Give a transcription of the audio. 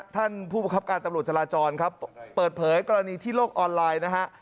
ท่านผู้ประคับการตำรวจจราจรครับเปิดเผยกรณีที่โลกออนไลน์นะฮะ